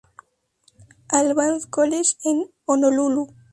Alban' s College en Honolulu.